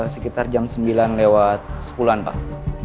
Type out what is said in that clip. sekitar jam sembilan lewat sepuluh an pak